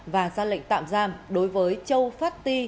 và ra lệnh tạm giam đối với châu phát ti